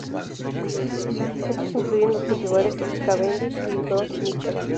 Estos incluyen los cultivares 'Cavendish' y 'Gros Michel'.